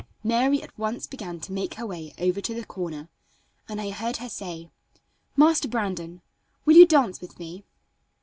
Mary at once began to make her way over to the corner, and I heard her say: "Master Brandon, will you dance with me?"